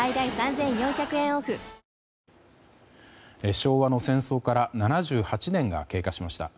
昭和の戦争から７８年が経過しました。